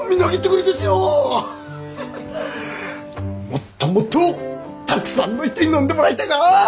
もっともっとたくさんの人に飲んでもらいたいな！